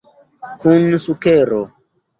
Kun sukero.